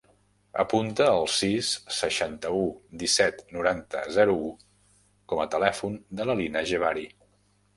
Apunta el sis, seixanta-u, disset, noranta, zero, u com a telèfon de la Lina Jebari.